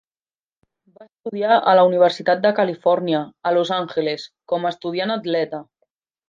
Va estudiar a la Universitat de Califòrnia, a Los Angeles, com a estudiant-atleta.